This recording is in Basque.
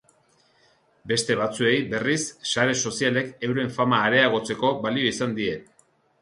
Beste batzuei, berriz, sare sozialek euren fama areagotzeko balio izan die.